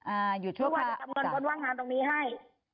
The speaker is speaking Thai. อ่าหยุดชั่วคราวเพราะว่าจะทำเงินคนว่างงานตรงนี้ให้